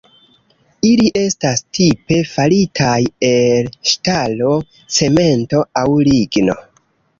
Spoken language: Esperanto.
Ili estas tipe faritaj el ŝtalo, cemento aŭ ligno.